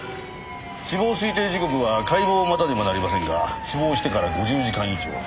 死亡推定時刻は解剖を待たねばなりませんが死亡してから５０時間以上。